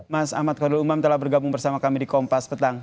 mas ahmad khairul umam telah bergabung bersama kami di kompas petang